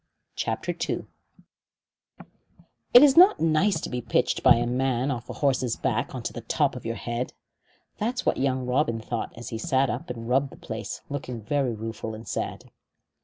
CHAPTER II It is not nice to be pitched by a man off a horse's back on to the top of your head. That is what young Robin thought as he sat up and rubbed the place, looking very rueful and sad.